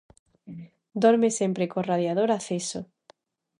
Dorme sempre co radiador aceso.